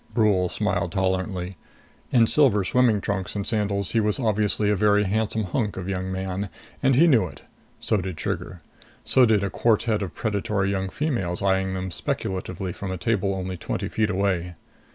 Brule smiled tolerantly. In silver swimming trunks and sandals, he was obviously a very handsome hunk of young man, and he knew it. So did Trigger. So did a quartet of predatory young females eyeing them speculatively from a table only twenty feet away.